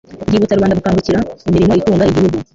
ryibutsa rubanda gukangukira imirimo itunga igihugu.